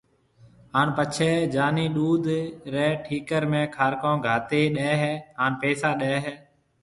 ھاڻ پڇيَ جانِي ڏُوڌ رَي ٺڪر ۾ کارڪون گھاتيَ ڏَي ھيََََ ھان پيسا ڏَي ھيََََ